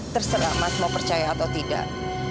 terserah mas mau percaya atau tidak